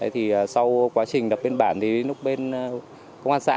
thì sau quá trình đập biên bản thì đến lúc bên công an xã